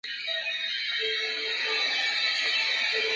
芦竹盾介壳虫为盾介壳虫科竹盾介壳虫属下的一个种。